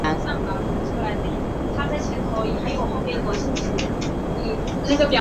父亲浦璇。